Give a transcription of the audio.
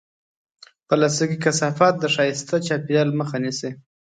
پلاستيکي کثافات د ښایسته چاپېریال مخه نیسي.